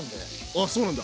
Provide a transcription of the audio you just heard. あそうなんだ。